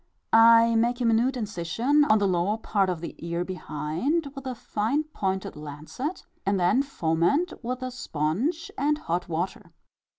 I make a minute incision on the lower part of the ear behind, with a fine pointed lancet, and then foment with a sponge and hot water.